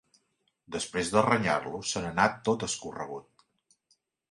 Després de renyar-lo, se n'anà tot escorregut.